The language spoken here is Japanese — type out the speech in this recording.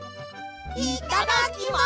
いただきます！